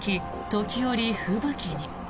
時折、吹雪に。